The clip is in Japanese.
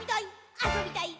あそびたいっ！！」